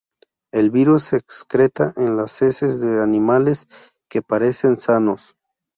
El virus se excreta en las heces de animales que parecen sanos.